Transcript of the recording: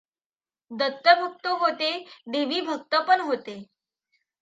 दत्तभक्त होते, देवीभक्त पण होते.